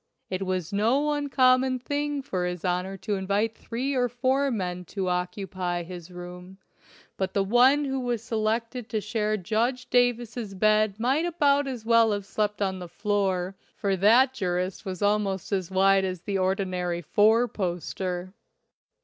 It was no uncommon thing for his Honor to invite three or four men to occupy his room, but the one who was selected to share Judge Davis's bed might about as well have slept on the floor, for that jurist was al most as wide as the ordinary four poster.